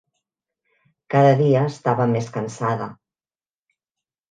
Cada dia estava més cansada